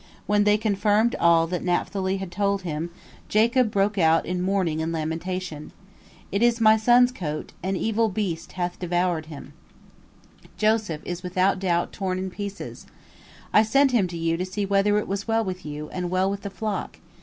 When they confirmed all that Naphtali had told him, Jacob broke out in mourning and lamentation: "It is my son's coat; an evil beast hath devoured him; Joseph is without doubt torn in pieces. I sent him to you to see whether it was well with you, and well with the flock.